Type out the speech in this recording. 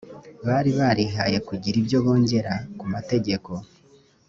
bari barihaye kugira ibyo bongera ku mategeko